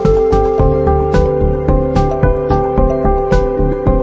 จริงจริงจริงจริงจริงจริงจริงพี่แจ๊คเฮ้ยสวยนะเนี่ยเป็นเล่นไป